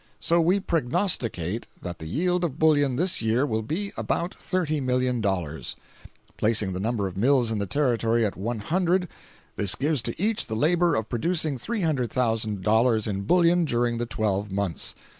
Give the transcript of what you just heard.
So we prognosticate that the yield of bullion this year will be about $30,000,000. Placing the number of mills in the Territory at one hundred, this gives to each the labor of producing $300,000 in bullion during the twelve months.